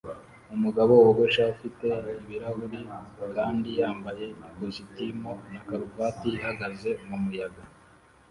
Umugabo wogoshe ufite ibirahuri kandi yambaye ikositimu na karuvati bihagaze mumuyaga